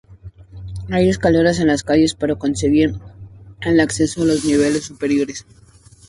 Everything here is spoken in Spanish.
Hay escaleras en la calle para conseguir el acceso a los niveles superiores.